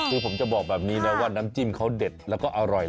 คือผมจะบอกแบบนี้นะว่าน้ำจิ้มเขาเด็ดแล้วก็อร่อย